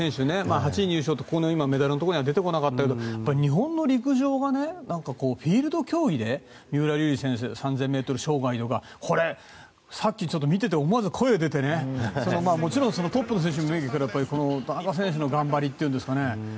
８位入賞ってここのメダルのところには出てこなかったけど日本の陸上がねフィールド競技で三浦選手の３０００ｍ障害やこれ、見てて思わず声が出てトップの選手もそうだけど田中選手の頑張りというかね。